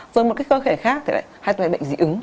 rồi một cái cơ thể khác thì lại hay bệnh dị ứng